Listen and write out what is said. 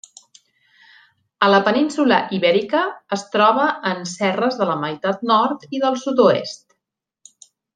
A la península Ibèrica es troba en serres de la meitat nord i del sud-oest.